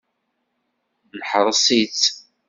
Neḥreṣ-itt.